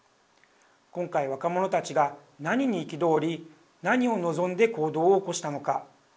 今回若者たちが何に憤り何を望んで行動を起こしたのか。